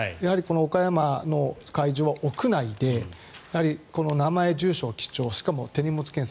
岡山の会場は屋内で名前、住所を記帳しかも手荷物検査。